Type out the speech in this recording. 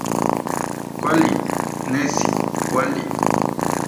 Kuali, nesi kuali